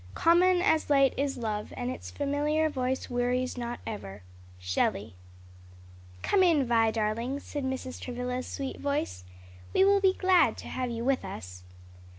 Common as light is love, And its familiar voice wearies not ever." Shelley. "Come in, Vi, darling," said Mrs. Travilla's sweet voice, "we will be glad to have you with us."